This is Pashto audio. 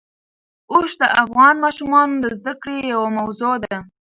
اوښ د افغان ماشومانو د زده کړې یوه موضوع ده.